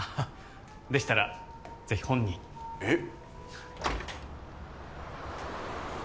でしたらぜひ本人にえっ？